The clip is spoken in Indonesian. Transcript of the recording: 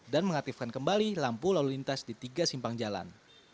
dan mengaktifkan kembali lampu lalu lintas di tiga simpang jalan